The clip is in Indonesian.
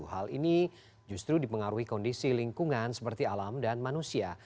hal ini justru dipengaruhi kondisi lingkungan seperti alam dan manusia